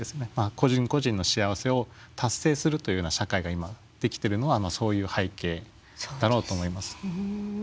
個人個人の幸せを達成するというような社会が今出来てるのはそういう背景だろうと思います。